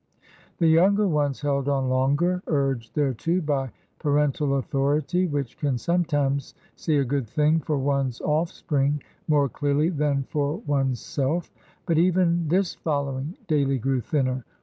The younger ones held on longer, urged thereto by pa rental authority, which can sometimes see a good thing for one's offspring more clearly than for one's self ; but even this following daily grew thinner.